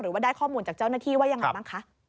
ว่าได้ข้อมูลจากเจ้าหน้าที่ว่ายังไงบ้างคะ